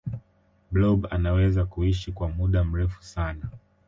blob anaweza kuishi kwa muda mrefu sana